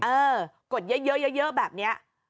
กดเยอะแบบนี้